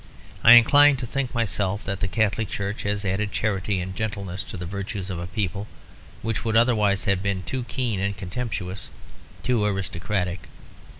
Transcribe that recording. I incline to think myself that the Catholic Church has added charity and gentleness to the virtues of a people which would otherwise have been too keen and contemptuous, too aristocratic.